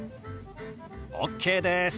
ＯＫです！